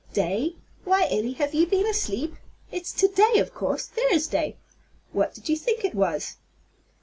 "Day? Why, Elly, have you been asleep? It's to day, of course, Thursday. What did you think it was?"